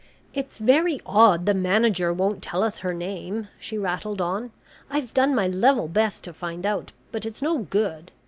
"It's very odd the Manager won't tell us her name," she rattled on. "I've done my level best to find out, but it's no good.